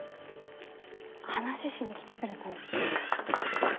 話しに来てくれたの？